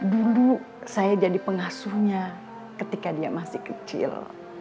dulu saya jadi pengasuhnya ketika dia masih kecil